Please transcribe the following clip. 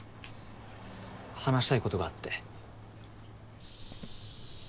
話したいことがあって。